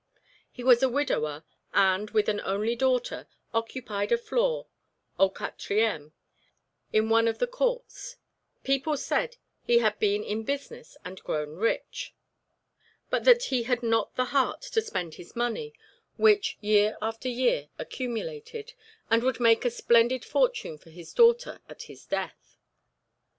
He was a widower, and, with an only daughter, occupied a floor, au quatrième, in one of the courts; people said he had been in business and grown rich, but that he had not the heart to spend his money, which year after year accumulated, and would make a splendid fortune for his daughter at his death.